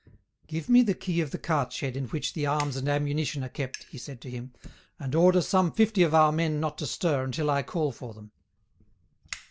"Give me the key of the cart shed in which the arms and ammunition are kept," he said to him, "and order some fifty of our men not to stir until I call for them."